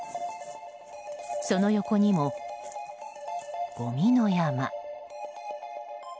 その横にも、ごみの山。